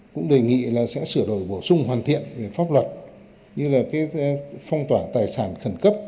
cũng đề nghị là sẽ sửa đổi bổ sung hoàn thiện pháp luật như là phong tỏa tài sản khẩn cấp